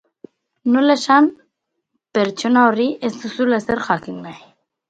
Nola esan pertsona horri ez duzula ezer jakin nahi.